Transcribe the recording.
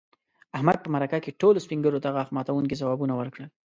احمد په مرکه کې ټولو سپین ږیرو ته غاښ ماتونکي ځوابوه ورکړل.